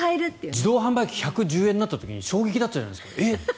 自動販売機１１０円になった時って衝撃だったじゃないですか。